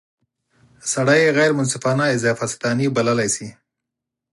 سړی یې غیر منصفانه اضافه ستانۍ بللای شي.